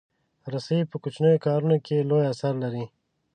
رسۍ په کوچنیو کارونو کې لوی اثر لري.